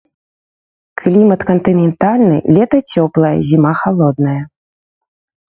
Клімат кантынентальны, лета цёплае, зіма халодная.